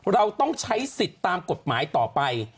เราต้องใช้สิทธิ์ตามกฎหมายต่อไป